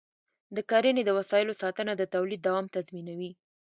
د کرنې د وسایلو ساتنه د تولید دوام تضمینوي.